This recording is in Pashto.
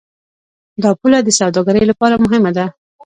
دا پوله د سوداګرۍ لپاره مهمه ده.